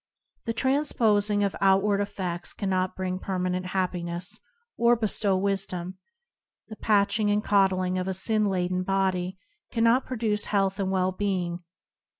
The transposing of outward effe&s cannot bring permanent happiness, or bestow wisdom; the patching and coddling of a sin laden body cannot produce health and well being.